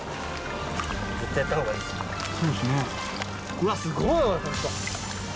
うわすごい本当。